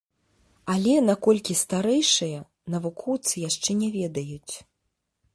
Але на колькі старэйшае, навукоўцы яшчэ не ведаюць.